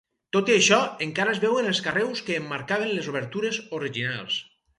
Tot i això encara es veuen els carreus que emmarcaven les obertures originals.